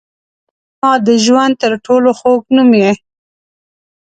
• ته زما د ژوند تر ټولو خوږ نوم یې.